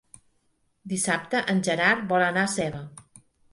Dissabte en Gerard vol anar a Seva.